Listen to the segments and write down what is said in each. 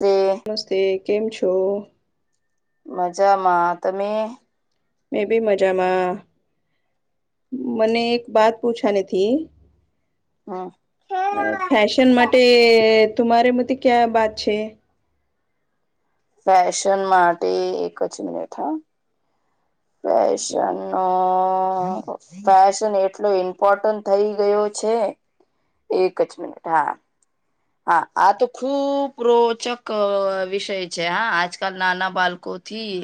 હા નમસ્તે કેમ છો મજામાં તમે મે બી મજામાં મને એક બાત પૂછાની થી હમ ફેશન માટે તમારે મ ક્યાં વાત છે. ફેશન માટે એક જ મિનિટ હા. ફેશ ન ફેશન એટલો ઈમ્પોર્ટન્ટ થઈ ગયો છે એક જ મિનિટ હા હા આ તો ખુબ રોચક વિષય છે હા આજકાલ નાના બાળકો થી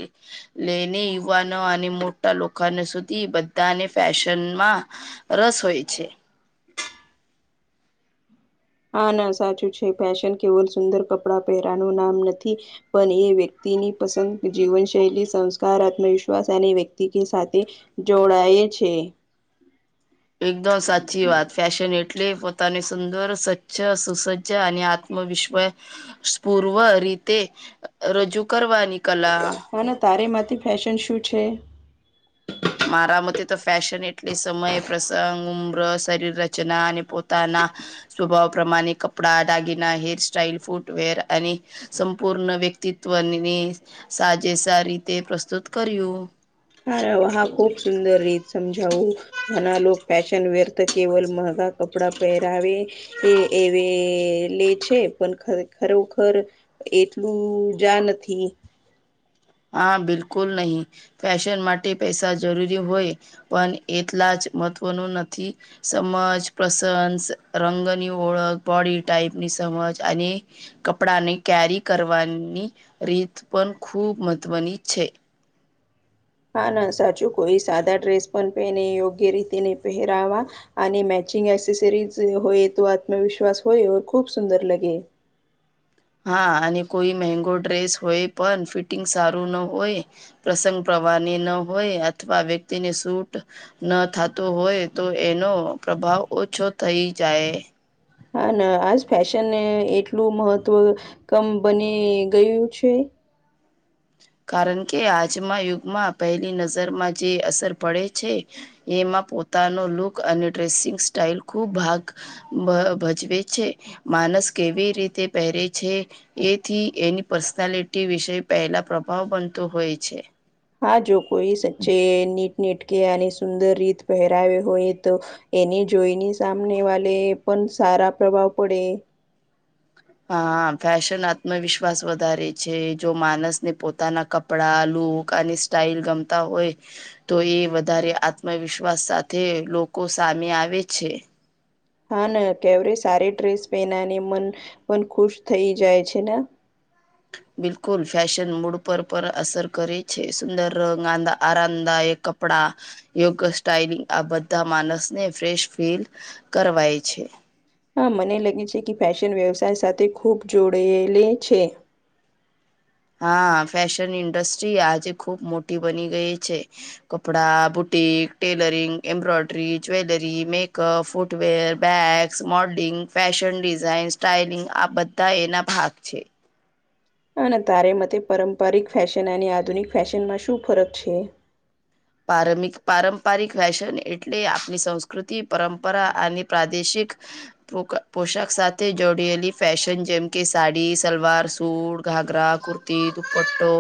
લઈને યુવાનો અને મોટા લોકોને સુધી બધાને ફેશનમાં રસ હોય છે. હા ના સાચું છે ફેશન કેવલ સુંદર કપડાં પહેરવાનું નામ નથી. પણ એ વ્યક્તિની પસંદ જીવનશૈલી સંસ્કાર આત્મવિશ્વાસ અને વ્યક્તિ સાથે જોડાય છે. એકદમ સાચી વાત ફેશન એટલે પોતાની સુંદર સ્ચ્છ સુસજ્જ અને આ આમ વિશ્વાસ પૂર્વ રીતે રજૂ કરવાની કલા હ ના તારેમાંથી ફેશન શું છે? મારા મતે તો ફેશન એટલે સમય પ્રસંગ ઉમ્ર શરીર રચના અને પોતાના સ્વભાવ પ્રમાણે કપડા દાગીના હેર સ્ટાઈલ ફૂટવેર અને સંપૂર્ણ વ્યક્તિત્વની સાજે સાર રીતે પ્રસ્તુત કર્યું. હા વાહ ખુબ સુંદર રીત સમજાવું. ઘણા લોકો ફેશન વેર તો કેવલ મંગા કપડા પહેરાવે એ એવી લે છે પણ ખરોખર એટલું જા નથી. હા બિલકુલ નહી ફેશન માટે પૈસા જરૂરી હોય. પણ એટલા જ મહત્વનું નથી. સમજ પ્રસન્સ રંગની ઓળખ બોડી ટાઈપની સમજ અને કપડાને કેરી કરવાની રીત પણ ખૂબ મહત્વની છે. હા ના સાચું કોઈ સાદા ડ્રેસ પણ પહેને યોગ્ય રીતે નને પહેરાવા. અને મેચિંગ એસેસરીઝ હોય તો આત્મવિશ્વાસ હોય ખૂબ સુંદર લગે. હા અને કોઈ મંગો ડ્રેસ હોય પણ ફિટિંગ સારું ન હોય. પ્રસંગ પ્રવાની ન હોય અથવા વ્યક્તિને સૂટ. ન થાતો હોય તો એનો પ્રભાવ ઓછો થઈ જાય. હા ના આજ ફેશન એટલું મહત્વ કમ બની ગયું છે. કારણ કે આજમાં યુગમાં પહેલી નજરમાં જે અસર પડે છે. એમાં પોતાનો લુક અને ડ્રેસિંગ સ્ટાઈલ ખૂબ ભાગ. ભજવે છે માનસ કેવી રીતે પહેરે છે. એથી એની પર્સનાલિટી વિશે પહેલા પ્રભાવ બનતો હોય છે. હા જો કોઈ સચ્ચે નીટ નીટ કે અને સુંદર રીત પહેરાવે હોય તો. એને જોઈની સામને વાલે પણ સારા પ્રભાવ પડે. હા ફેશન આત્મવિશ્વાસ વધારે છે જો માનસને પોતાના કપ. પડા લૂક અને સ્ટાઈલ ગમતા હોય. તો એ વધારે આત્મવિશ્વાસ સાથે લોકો સામે આવે છે. હા ના કેવરે સારી ડ્રેસ પહેનાને મન પણ ખુશ થઈ જાય છે ને. બિલકુલ ફેશન મૂડ પર પર અસર કરે છે, સુંદર રંગ આ આરામદાયક ક. પડા યોગ સ્ટાઈલ આ બધા માનસને ફ્રેશ ફીલ‌. કરવાય છે. હા મને લાગે છે કે ફેશન વ્યવસાય સાથે ખૂબ જોડેલી છે. હા ફેશન ઇન્ડસ્ટ્રી આજે ખુબ મોટી બની ગઈ છે. કપડા boutique tailoring embroidery jewellery makeup footwear bags modelling fashion design styling આ બધા એના ભાગ છે. અને તારે મતે પારંપરિક ફેશન અને આધુનિક ફેશનમાં શું ફરક છે. પાર પારંપરિક ફેશન એટલે આપણી સંસ્કૃતિ પરંપરા અને પ્રાદેશિક. પો પોશાક સાથે જોડેલી ફેશન જેમ કે સાડી સલવાર સૂટ ઘાઘરા કુર્. ર્તી દુપટો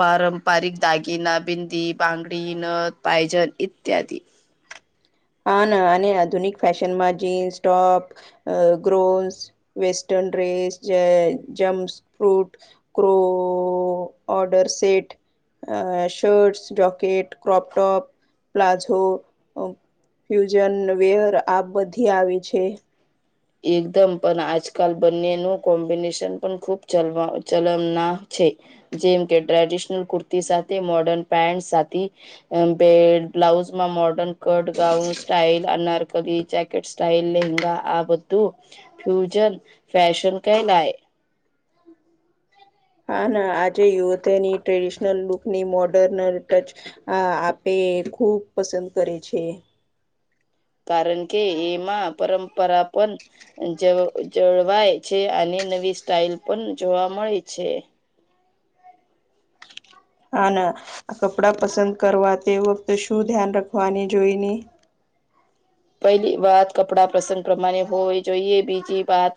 પારંપરિક દાગીના બિંદી બાંગ. રીન પાયજલ ઇત્યાદી. હા ના અને આધુનિક ફેશન માં જીન્સ ટોપ. અ ગ્રોન્સ western dress germs fruit. Crow order set. અ shirts jacket crop top palazzo. Fusion wear આ બધી આવી છે. એકદમ પણ આજકાલ બંને નું કોમ્બિનેશન પણ ખુબ ચલ ચલમના છે. જેમ કે ટ્રેડિશનલ કુર્તી સાથે મોર્ડર્ન પેન્ટ સાથે. બે બ્લાઉઝમાં modern cut gown style anarkali. Style લંગા આ બધું ફ્યુન ફેશન કહેલાય. [unintelligible] હા ના આજે યુવતીની ટ્રેડિશનલ લુકની મોડર્ન ટચ. આ આપે ખુબ પસંદ કરે છે. કારણ કે એમાં પરંપરા પણ. જ જળવાય છે અને નવી સ્ટઇલ પણ જોવા મળે છે. હા ના કપડાં પસંદ કરવા તે વખતે શું ધ્યાન રાખવાની જોઈ ને. પહેલી વાત કપડા પ્રસંગ પ્રમાણે હોવી જોઈએ બીજી વાત.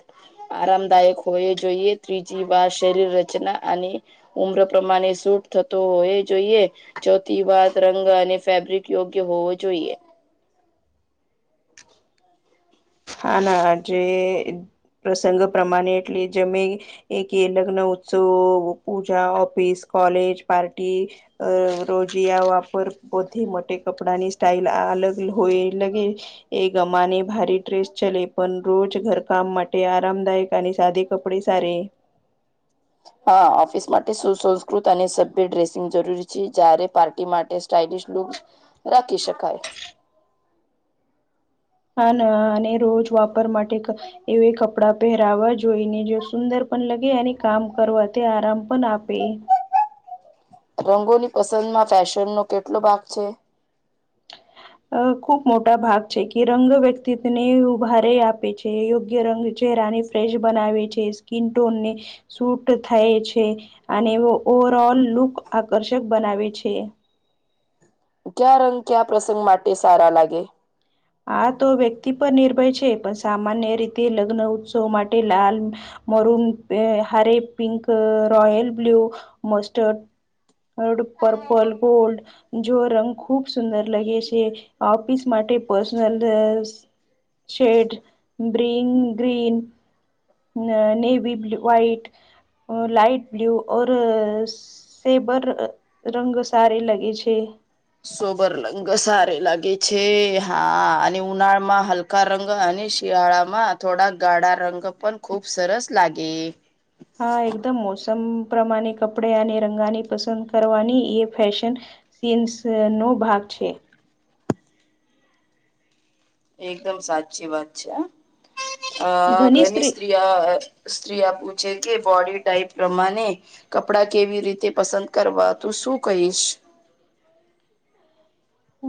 આરામદાયક હોય જોઈએ ત્રીજી વાર શરીર રચના અને. ઉમ્ર પ્રમાને સૂટ થતો હોય એ જોઈએ. ચોથી વાત રંગ અને ફેબ્રિક યોગ્ય હોવો જોઈએ. હા ના જે પ્રસંગ પ્રમાને એટલે જેમે એક એ લગ્ન ઉત્સવ પૂજા ઓફિસ કોલેજ પાર્ટી. અ રોજીિયા વાપર બધી માટે કપડા ની સ્ટાઈલ અલગ હોય લગ. એ ગમા ની ભારે. ડ્રેસ ચલે પણ રોજ ઘરકામ માટે આરામદાયક અને સાદે કપડે સારે. હા ઓફિસ માટે સુસંસ્કૃત અને સભ્ય ડ્રેસિંગ જરૂરી છે જયારે પાર્ટી માટે સ્ટઇલશ લુક. રાખી શકાય. હા ન અને રોજ વાપર માટે એવે કપડાં પહેરાવા જોઈને જો સુંદર પણ લગે અને કામ કરવા તે આરામ પન આપે. રંગોની પસંદમાં ફેશનનો કેટલો ભાગ છે? અ ખુબ મોટા ભાગ છે. કે રંગ વ્યક્તિત્ને ઉભારે આપે છે. યોગ્ય રંગ જે રાની ફ્રેશ બનાવે છે. સ્કીન ટોનને સુટ થાય છે. અને વો ઓવરઓલ લુક આકર્ષક બનાવે છે. ક્યા રંગ ક્યા પ્રસંગ માટે સારા લાગે? આ તો વ્યક્તિ પર નિર્ભય છે. પણ સામાન્ય રીતે લગ્ન ઉત્સવ માટે લાલ મરુન, હરે પિંક, રોયલ બ્લુ, મસ્ટર્ડ. ઓર પર્પલ, ગોલ્ડ. જો રંગ ખુબ સુંદર લગે છે. ઓફીસ માટે પર્સનલ શેડ બ્રિંગ ગ્રીન. ન navy blue, white, light blue ઓર સેબર રંગ સારી લગે છે. સોબર લંગ સારે લાગે છે. હા અને ઉનાળામાં હલ કા રંગ અને શિયાળામાં થોડા ગાળા રંગ પણ ખૂબ સરસ લાગે. હા એકદમ મોસમ પ્રમાણે કપડે અને રંગાની પસંદ કરવાની એ ફેશન સીન્સનો ભાગ છે. એકદમ સાચી વાત છે હહ. અ ઘની સ્ત્રી અ સ્ત્રીિયા પૂછે કે બોડી ટાઈપ પ્રમાને કપડા કેવી રીતે પસંદ કરવા તું શું કહીશ? અ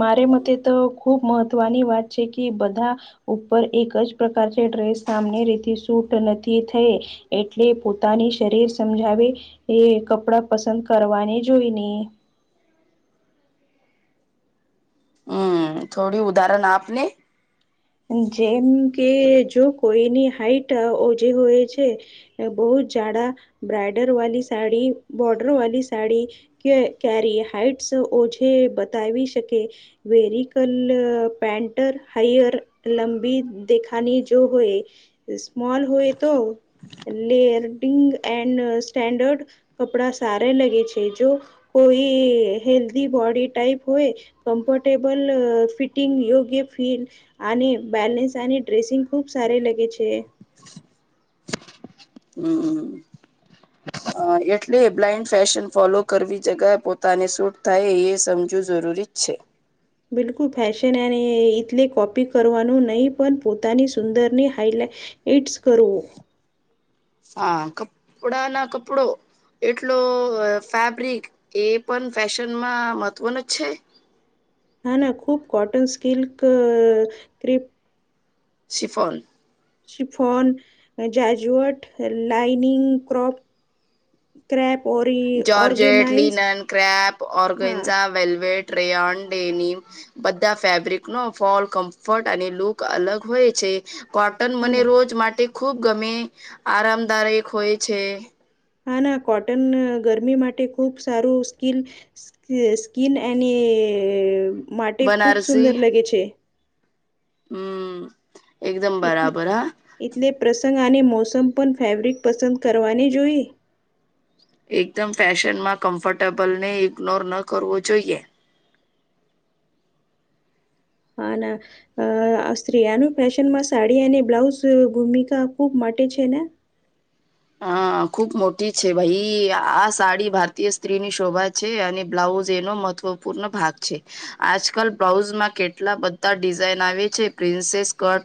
મારે મતે તો ખુબ મહત્વની વાત છે કે બધા ઉપર એક જ પ્રકાર છે ડ્રેસ સામની રીતે સૂટ નથી થઈ. એટલે પોતાની શરીર સમજાવે એ કપડાં પસંદ કરવાની જોઈને. હમ્મ થોડી ઉદાહરણ આપને. જેમ કે જો કોઈની હાઈટ ઓજે હોય છે. એ બહુ જ જાડા, બ્રાઇડર વાલી સાડી, બોર્ડર વાલી સાડી. કે ક્યારે હાઈટસ ઓછી બતાવી શકે. વેરિકલ પેન્ટર હૈયર. લંબી દેખાની જો હોય સ્મોલ હોય તો લેન્ટિંગ એન્ડ સ્ટેન્ડર્ડ કપડા સારા લગે છે. જો કોઈ હેલ્ધી બોડી ટાઈપ હોય કમ્ફર્ટેબલ ફિટિંગ યોગ્ય ફીલ આને બેલેન્સ અને ડ્રેસિંગ ખુબ સારે લગે છે. હમ હમ હહ એટલે બ્લાઈન્ડ ફેશન ફોલો કરવી જગ પોતાને સૂટ થાય એ સમજુ જરૂરી જ છે. બિલકુલ ફેશન અને એટલે કોપી કરવાનું નહી પણ પોતાની સુંદરની હાઈલાઇટ ઇટસ કરો. હા કપડાંના કપડો એટલો ફેબ્રિક એ પણ ફેશનમાં મહત્વનો જ છે. હા ના ખૂબ cotton silk crepe chiffon. Chiffon, જાજુઅ, લાઇનિંગ ક્રોપ. ક્રેપ, ઓરી જોર્જેટ, ઓર્ગેનાઇઝ લીનન, ક્રેપ, હા ઓર્ગઝા, વેલ્વેટ, રેયોન, ડેનીમ. બધા ફેબ્રિકનો ફોલ, કમ્ફર્ટ અને લુક અલગ હોય છે. કોટન હા મને ના રોજ માટે ખૂબ ગમે. આરામદાયક હોય છે. હા ના કોટન ગરમી માટે ખુબ સારું. સ્કીલ સ્કીન એને માટે ખૂબ બનારસી સુંદર લગે છે. હમ્મ એકદમ એટલે બરાબર હા. એટલે પ્રસંગ અને મોસમ પણ ફેબ્રિક પસંદ કરવાની જોઈએ. એકદમ ફેશન માં કમ્ફર્ટેબલ ને ઇગ્નોર ન કરવો જોઈએ. હને અ સ્ત્રીનું ફેશન માં સાડી અને બ્લાઉઝ ભૂમિકા ખુબ માટે છે ને હા ખુબ મોટી છે ભાઈ આ સાડી ભારતીય સ્ત્રી ની શોભા છે અને બ્લાઉઝ એનો મહત્વપૂર્ણ ભાગ છે. આજકાલ બ્લાઉઝમાં કેટલા બધા ડિઝાઇન આવે છે princess cut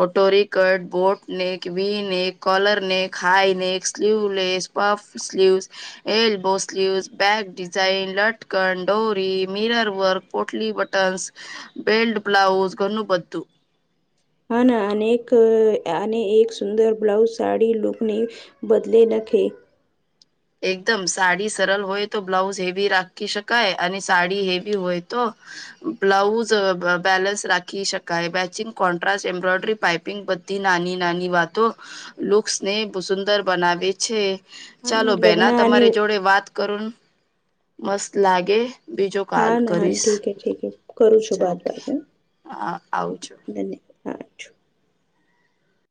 કોટોરી cut, boatneck, V neck, કોલરને high necks, sleeveless, puff sleeves L બોસલીવસ, bag design, લટકન ડોરી મિરર વર્ક, પોટલી બટ બેલ્ટ બ્લાઉઝ ગનું બધ્ધુ હા ના અનેક અને એક સુંદર બ્લાઉઝ સાડી લુકની બદલી નાખે. એકદમ સાડી સરલ હોય તો બ્લાઉઝ હેવી રાખી શકાય અને સાડી હેવી હોય તો બ્લાઉઝ બેલેન્સ રાખી શકાય મેચિંગ કોન્ટ્રાસ એમ્બ્રોઇડરી પાઇપિંગ બધ નાની નાની વાતો લુક્સ ને સુંદર બનાવે છે. અને એટલે. ના તમારી જોડે વાત કરુંન મસ્ત લાગે. બીજો કાલ હા ના હા કરીશ ઠીક હે ઠીક હે કરું છું અચ્છા ઓકે હા આવજો. ધન્યદ.